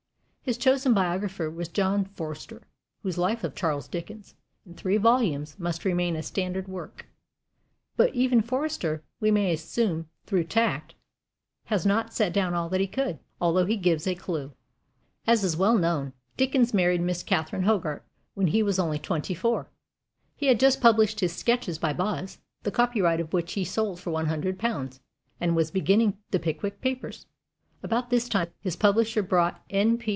His chosen biographer was John Forster, whose Life of Charles Dickens, in three volumes, must remain a standard work; but even Forster we may assume through tact has not set down all that he could, although he gives a clue. As is well known, Dickens married Miss Catherine Hogarth when he was only twenty four. He had just published his Sketches by Boz, the copyright of which he sold for one hundred pounds, and was beginning the Pickwick Papers. About this time his publisher brought N. P.